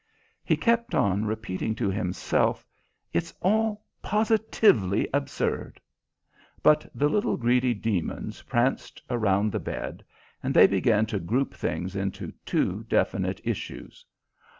He kept on repeating to himself, "It's all positively absurd!" But the little greedy demons pranced around the bed, and they began to group things into two definite issues.